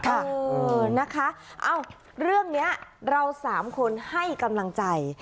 เออนะคะเอ้าเรื่องนี้เราสามคนให้กำลังใจ